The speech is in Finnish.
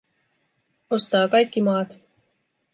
Ostaa kaikki maat.